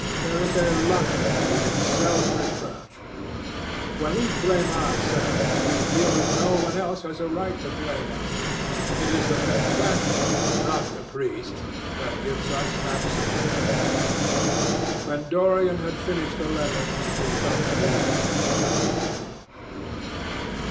There is a luxury in self reproach. When we blame ourselves, we feel that no one else has a right to blame us. It is the confession, not the priest, that gives us absolution. When Dorian had finished the letter, he felt that he had been forgiven.